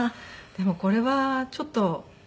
でもこれはちょっと。